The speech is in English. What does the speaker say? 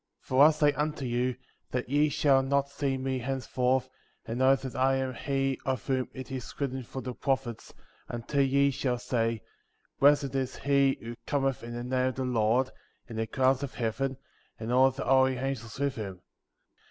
1. For I say unto you, that ye shall not see me henceforth and know that I am he of whom it is written by the prophets, until ye shall say : Blessed is he who cometh in the name of the Lord, in the clouds of heaven, and all the holy angels with him.